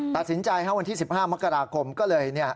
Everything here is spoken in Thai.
ค่ะตัดสินใจวันที่๑๕มกราคมก็เลยเนี่ย